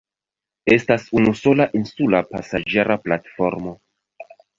Estas unusola insula pasaĝera platformo.